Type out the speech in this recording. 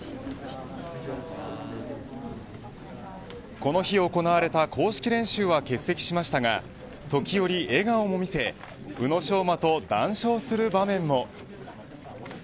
この日行われた公式練習は欠席しましたが時折、笑顔も見せ宇野昌磨と談笑する場面も。